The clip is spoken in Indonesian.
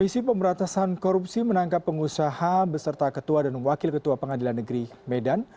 komisi pemberantasan korupsi menangkap pengusaha beserta ketua dan wakil ketua pengadilan negeri medan